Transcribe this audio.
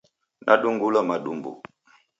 Nadungulwa madumbu